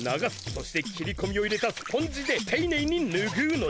そして切り込みを入れたスポンジでていねいにぬぐうのじゃ。